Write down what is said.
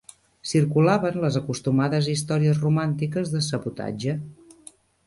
Circulaven les acostumades històries romàntiques de sabotatge